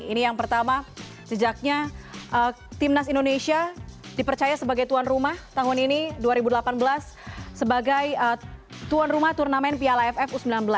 ini yang pertama sejaknya timnas indonesia dipercaya sebagai tuan rumah tahun ini dua ribu delapan belas sebagai tuan rumah turnamen piala aff u sembilan belas